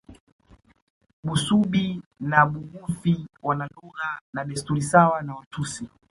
Busubi na Bugufi wana lugha na desturi sawa na Watusi